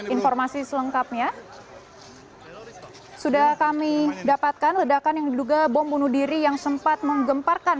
informasi selengkapnya sudah kami dapatkan ledakan yang diduga bom bunuh diri yang sempat menggemparkan